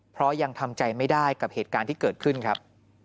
เพราะยังทำใจไม่ได้กับเหตุการณ์ที่เกิดขึ้นครับ